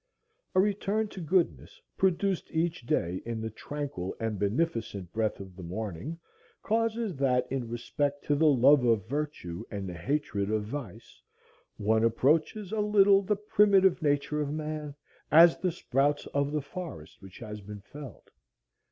"A return to goodness produced each day in the tranquil and beneficent breath of the morning, causes that in respect to the love of virtue and the hatred of vice, one approaches a little the primitive nature of man, as the sprouts of the forest which has been felled.